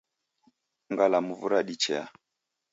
Ngalamvu radichea.